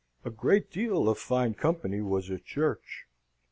A great deal of fine company was at church.